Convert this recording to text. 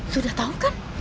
sudah tau kan